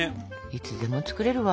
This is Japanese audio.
いつでも作れるわ。